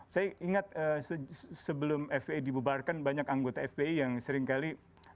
saya ingat sebelum fpi dibubarkan banyak anggota fpi yang seringkali